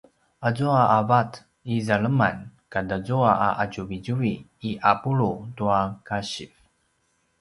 azua a vat i zaleman katazua a ’atjuvitjuvi i ’apulu tua kasiv